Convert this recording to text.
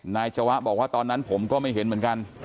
จวะบอกว่าตอนนั้นผมก็ไม่เห็นเหมือนกัน